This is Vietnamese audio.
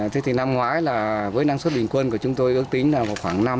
thế thì năm ngoái là với năng suất bình quân của chúng tôi ước tính là vào khoảng năm